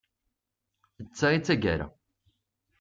D ta i d tagara.